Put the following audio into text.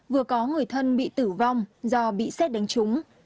vừa có người thân bị tử vong do bị xét đánh trúng